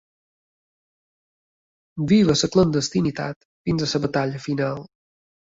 Viu en la clandestinitat fins a la batalla final.